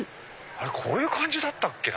あれこういう感じだったっけな？